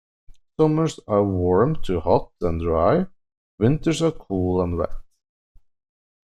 Summers are warm to hot and dry, winters are cool and wet.